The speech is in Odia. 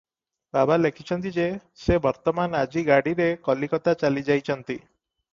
"ବାବା ଲେଖିଚନ୍ତି ଯେ- ସେ ବର୍ତ୍ତମାନ ଆଜି ଗାଡ଼ିରେ କଲିକତା ଚାଲିଯାଇଚନ୍ତି ।